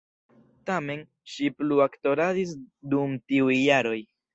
Tamen, ŝi plu aktoradis dum tiuj jaroj.